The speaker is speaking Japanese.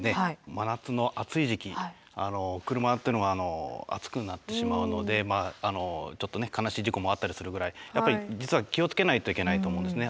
真夏の暑い時期車というのは暑くなってしまうのでちょっとね悲しい事故もあったりするぐらいやっぱり実は気を付けないといけないと思うんですね。